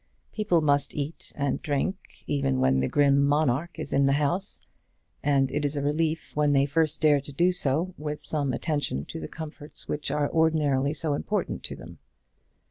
People must eat and drink even when the grim monarch is in the house; and it is a relief when they first dare to do so with some attention to the comforts which are ordinarily so important to them.